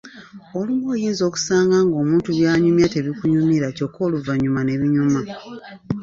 Olumu oyinza okusanga ng’omuntu by’anyumya tebikunyumira kyokka oluvannyuma ne binyuma.